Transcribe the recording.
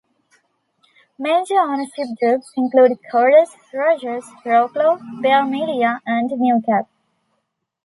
Major ownership groups include Corus, Rogers, Rawlco, Bell Media and Newcap.